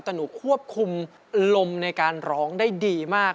แต่หนูควบคุมอารมณ์ในการร้องได้ดีมาก